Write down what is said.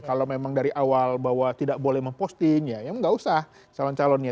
kalau memang dari awal bahwa tidak boleh memposting ya nggak usah calon calonnya